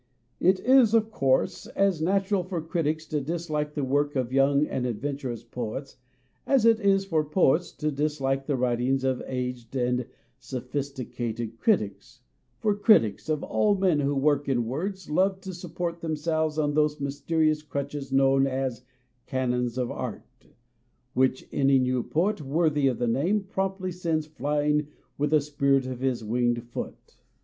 It is of course as natural for critics to dislike the work of young and adventurous poets as it is for poets to dislike the writings of aged and sophisticated critics, for critics of all men who work in words love to support them selves on those mysterious crutches known 234 MONOLOGUES as canons of art, which any new poet worthy of the name promptly sends flying with a spirt of his winged foot.